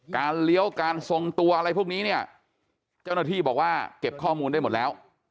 เลี้ยวการทรงตัวอะไรพวกนี้เนี่ยเจ้าหน้าที่บอกว่าเก็บข้อมูลได้หมดแล้ว